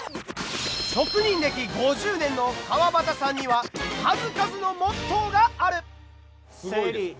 職人歴５０年の川端さんには数々のモットーがある！